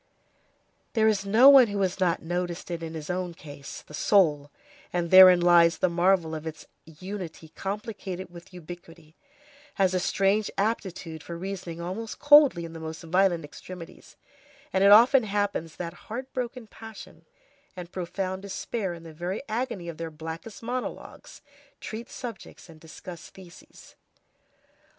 There is no one who has not noticed it in his own case—the soul,—and therein lies the marvel of its unity complicated with ubiquity, has a strange aptitude for reasoning almost coldly in the most violent extremities, and it often happens that heartbroken passion and profound despair in the very agony of their blackest monologues, treat subjects and discuss theses.